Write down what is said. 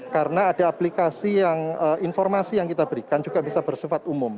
karena ada aplikasi yang informasi yang kita berikan juga bisa bersifat umum